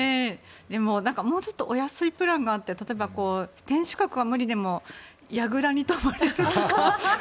でも、もうちょっとお安いプランがあったら、例えば天守閣は無理でもやぐらに泊まれたりとか。